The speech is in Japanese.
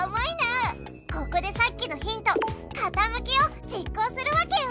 ここでさっきのヒント「かたむき」を実行するわけよ。